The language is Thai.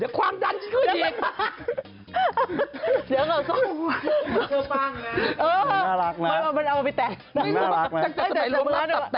อย่าเรียกว่าชั่วได้ความดันชั่วดี